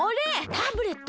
タブレット？